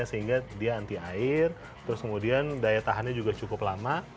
sehingga dia anti air terus kemudian daya tahannya juga cukup lama